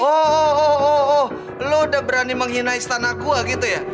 oh oh lo udah berani menghina istana gue gitu ya